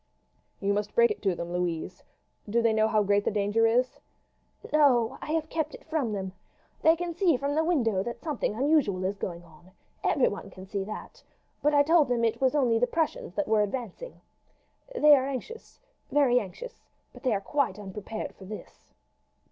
"You must break it to them, Louise. Do they know how great the danger is?" "No. I have kept it from them. They can see from the window that something unusual is going on; everyone can see that. But I told them it was only that the Prussians were advancing. They are anxious very anxious but they are quite unprepared for this."